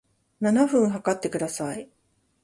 七分測ってください